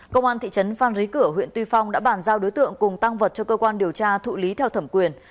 công an thị trấn phan rí cửa huyện tuy phong đã bàn giao đối tượng cùng tăng vật cho cơ quan điều tra thụ lý theo thẩm quyền